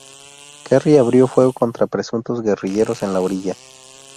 Kerry abrió fuego contra presuntos guerrilleros en la orilla.